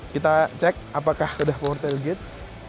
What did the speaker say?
kita cek apakah udah power tailgate